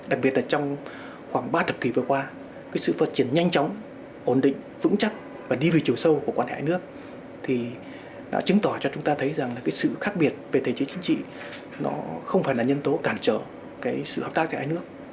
đặc biệt là trong khoảng ba thập kỷ vừa qua sự phát triển nhanh chóng ổn định vững chắc và đi về chiều sâu của quan hệ hai nước đã chứng tỏ cho chúng ta thấy rằng sự khác biệt về thể chế chính trị không phải là nhân tố cản trở sự hợp tác của hai nước